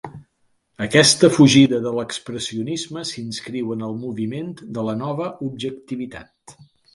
Aquesta fugida de l'expressionisme s'inscriu en el moviment de la Nova Objectivitat.